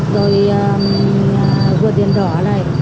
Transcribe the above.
rồi vượt đèn rõ này